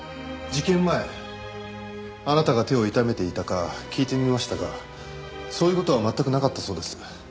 事件前あなたが手を痛めていたか聞いてみましたがそういう事は全くなかったそうです。